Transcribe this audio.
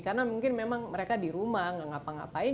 karena mungkin memang mereka di rumah nggak ngapa ngapain